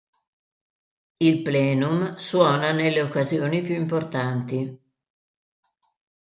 Il plenum, suona nelle occasioni più importanti.